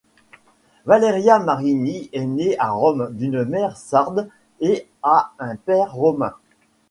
Valeria Marini est née à Rome d'une mère sarde et à un père romain.